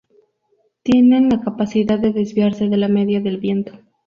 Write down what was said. Tienen la capacidad de desviarse de la media del viento.